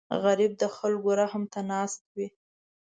غریب د خلکو رحم ته ناست وي